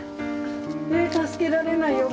え助けられないよ。